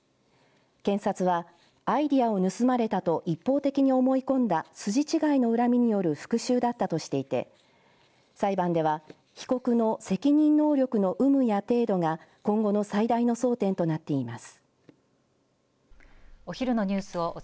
検察はアイデアを盗まれたと一方的に思い込んだ筋違いの恨みによる復しゅうだったとしていて裁判では被告の責任能力の有無や程度が今後の最大の争点となっています。